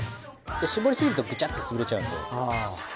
絞りすぎるとグチャッて潰れちゃうんで。